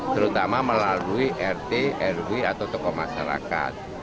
terutama melalui rt rw atau tokoh masyarakat